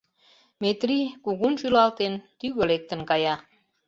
Метрий, кугун шӱлалтен, тӱгӧ лектын кая.